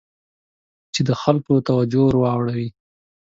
چې د خلکو توجه ور واړوي.